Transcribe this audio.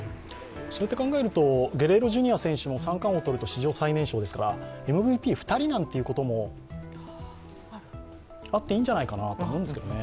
そう考えるとゲレーロ・ジュニア選手が三冠王を取ると史上最年少ですから、ＭＶＰ２人なんてこともあっていいんじゃないかなと思うんですけどね。